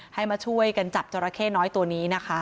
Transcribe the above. ให้มาช่วยกันจับจราเข้น้อยตัวนี้นะคะ